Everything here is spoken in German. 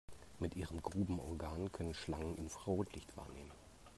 Mit ihrem Grubenorgan können Schlangen Infrarotlicht wahrnehmen.